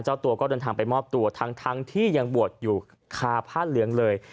เจ้าตัวก็เดินทางไปมอบตัวทั้งที่ยังบวชอยู่คาผ้าเหลืองเลย